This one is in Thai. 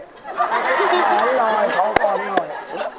พาไปนอนพาไปนอน